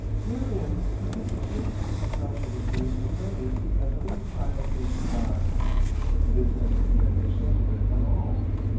Therein he takes the great work the council was doing for granted as a little child takes God. It is as if he had no sense of it at all.